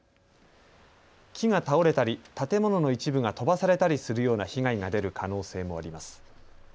木が倒れたり建物の一部が飛ばされたりするような被害が出る可能性もあります。